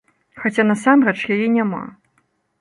Хаця насамрэч яе няма.